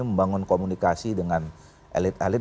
membangun komunikasi dengan elit elit